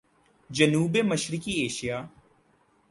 جنوب مشرقی ایشیا